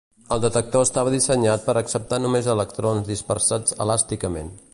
El detector estava dissenyat per acceptar només electrons dispersats elàsticament.